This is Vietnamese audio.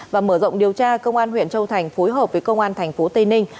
và mở rộng điều tra công an huyện châu thành phối hợp với công an thành phố tây ninh